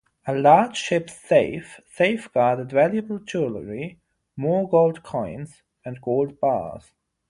A large ship's safe safeguarded valuable jewelry, more gold coins, and gold bars.